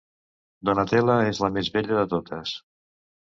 Donatella és la més bella de totes.